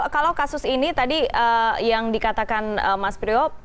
kalau kasus ini tadi yang dikatakan mas priok